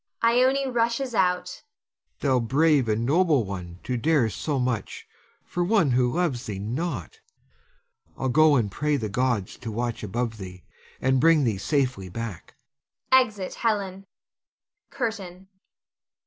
[Ione rushes out. Helon. Thou brave and noble one to dare so much for one who loves thee not! I'll go and pray the gods to watch above thee, and bring thee safely back. [Exit Helon. CURTAIN.